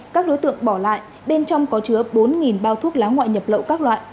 các đối tượng bỏ lại bên trong có chứa bốn bao thuốc lá ngoại nhập lậu các loại